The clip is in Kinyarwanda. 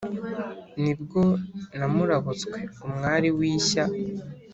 Nibwo namurabutswe umwari w'ishya!